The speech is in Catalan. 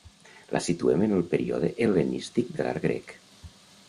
La situem en el període hel·lenístic de l'art grec.